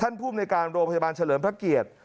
ท่านผู้มูลในการโรงพยาบาลเฉลิมพระเกียรติ